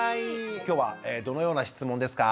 今日はどのような質問ですか？